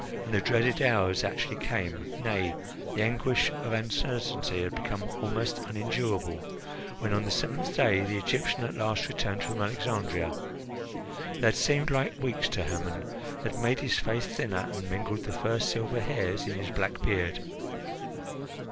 And the dreaded hours actually came nay, the anguish of uncertainty had become almost unendurable, when, on the seventh day, the Egyptian at last returned from Alexandria. They had seemed like weeks to Hermon, had made his face thinner, and mingled the first silver hairs in his black beard.